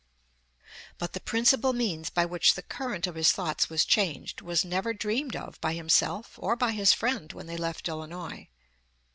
But the principal means by which the current of his thoughts was changed was never dreamed of by himself or by his friend when they left Illinois.